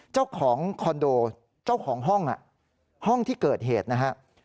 เจ้าของคอนโดเจ้าของห้องห้องที่เกิดเหตุนะฮะ